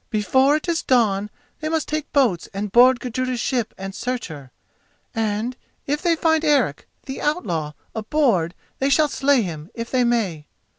Before it is dawn they must take boats and board Gudruda's ship and search her. And, if they find Eric, the outlaw, aboard, they shall slay him, if they may."